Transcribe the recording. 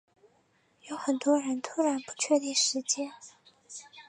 有很多人突然不确定时间